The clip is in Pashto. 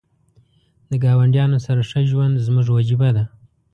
د ګاونډیانو سره ښه ژوند زموږ وجیبه ده .